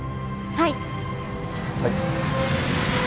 はい！